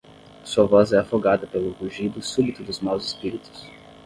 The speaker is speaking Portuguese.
Sua voz é afogada pelo rugido súbito dos maus espíritos.